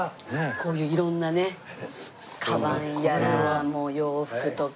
こういう色んなねカバンやらもう洋服とか。